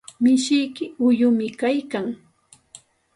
Mishiyki uyumi kaykan.